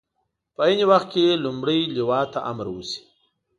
په عین وخت کې لومړۍ لواء ته امر وشي.